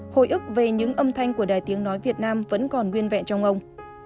hồi ức về những âm thanh của đài tiếng nói việt nam vẫn còn nguyên vẹn trong ông